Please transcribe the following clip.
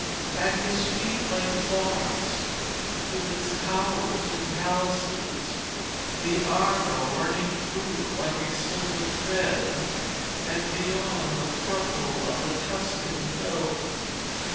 At his feet lay Florence, with its towers and palaces, the Arno running through it like a silver thread, and beyond, the purple of the Tuscan hills.